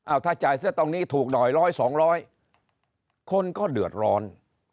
เอาถ้าจ่ายเสื้อตรงนี้ถูกหน่อยร้อยสองร้อยคนก็เดือดร้อน